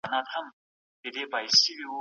د دغي پېښي وروسته د خلکو مننه بیا تازه سوه.